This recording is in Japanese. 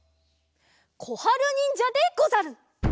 こはるにんじゃでござる！